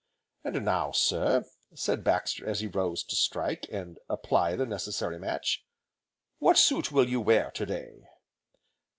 "And now, sir," said Baxter, as he rose to strike, and apply the necessary match, "what suit will you wear to day?"